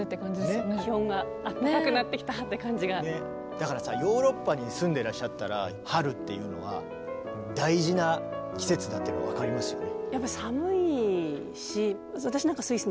だからさヨーロッパに住んでらっしゃったら春っていうのは大事な季節だっていうの分かりますよね。